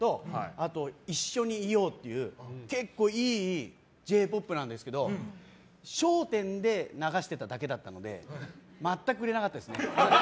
あと「いっしょにいよう」という結構いいＪ‐ＰＯＰなんですけど「笑点」で流していただけだったのでまったく売れなかったですね。